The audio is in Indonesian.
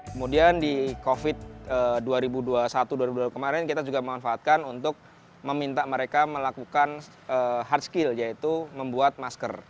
kemudian di covid dua ribu dua puluh satu dua ribu dua puluh kemarin kita juga memanfaatkan untuk meminta mereka melakukan hard skill yaitu membuat masker